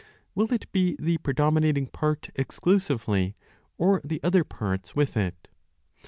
Will it be the "predominating part" exclusively, or the other parts with it?